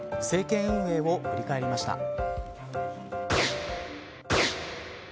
政権運営を振り返りました。